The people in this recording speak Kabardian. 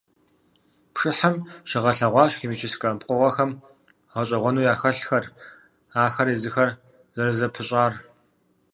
Пшыхьым щагъэлъэгъуащ химическэ пкъыгъуэхэм гъэщIэгъуэну яхэлъхэр, ахэр езыхэр зэрызэпыщIар.